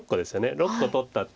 ６個取った。